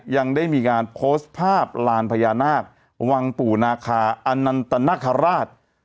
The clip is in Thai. ยังได้มีการโพสต์ภาพลานพญานาควังปู่นาคาอนันตนาคาราช